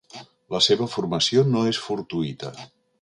La seva formació no és fortuïta.